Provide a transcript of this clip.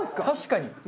確かに。